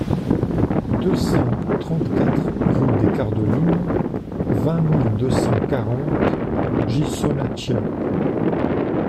deux cent trente-quatre rue des Cardelines, vingt mille deux cent quarante Ghisonaccia